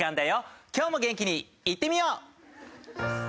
今日も元気にいってみよう！